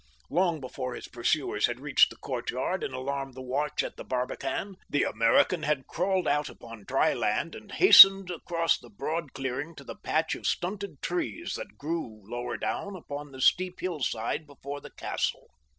Long before his pursuers had reached the courtyard and alarmed the watch at the barbican, the American had crawled out upon dry land and hastened across the broad clearing to the patch of stunted trees that grew lower down upon the steep hillside before the castle.